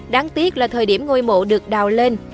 đáng tiếc là thời điểm ngôi mộ được đào lên